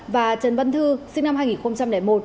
và trần văn thư sinh năm hai nghìn một